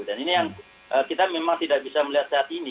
dan ini yang kita memang tidak bisa melihat saat ini